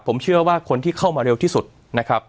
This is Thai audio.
ผมเชื่อว่าคนที่เข้ามาเร็วที่สุดนะครับ